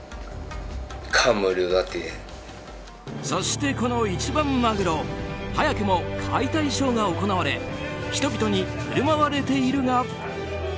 そして、この一番マグロ早くも解体ショーが行われ人々に振る舞われているが。